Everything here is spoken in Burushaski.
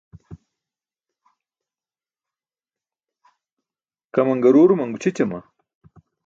Kaman garuuruman gućʰićama?